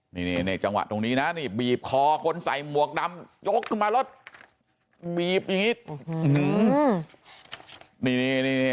ในจังหวัดตรงนี้นะบีบคอคนใส่หมวกดำยกขึ้นมารถบีบอย่างนี้